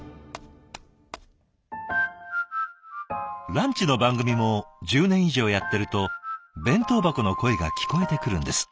ランチの番組も１０年以上やってると弁当箱の声が聞こえてくるんです。